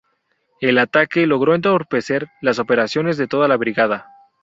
El ataque logro entorpecer las operaciones de toda la brigada.